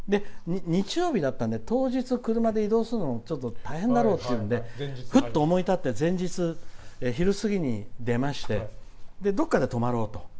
日曜日だったんで当日、車で移動するのも大変だろうっていうのでふっと思い立って前日昼過ぎに出ましてどこかで泊まろうと。